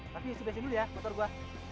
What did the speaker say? nanti isi besi dulu ya motor gue